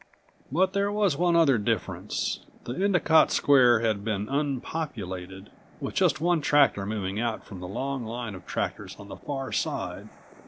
But there was one other difference. The Endicott square had been unpopulated, with just one tractor moving out from the long line of tractors on the far side.